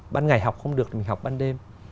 ban ngày học không được mình học ban đêm